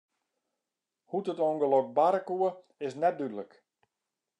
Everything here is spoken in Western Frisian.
Hoe't it ûngelok barre koe, is net dúdlik.